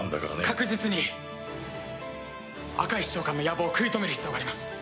確実に赤石長官の野望を食い止める必要があります。